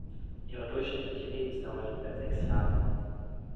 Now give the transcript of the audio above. Ihre durchschnittliche Lebensdauer liegt bei sechs Jahren.